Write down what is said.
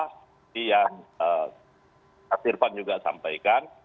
seperti yang pak irvan juga sampaikan